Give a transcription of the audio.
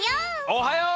おはよう！